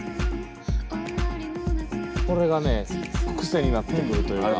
これがね癖になってくるというか。